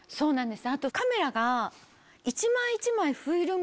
あとカメラが。